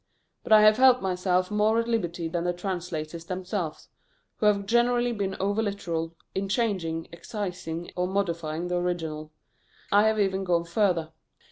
But I have felt myself more at liberty than the translators themselves, who have generally been over literal, in changing, excising, or modifying the original. I have even gone further.